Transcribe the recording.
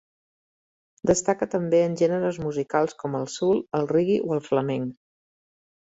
Destaca també en gèneres musicals com el soul, el reggae o el flamenc.